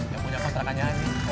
yang punya kontrakannya aja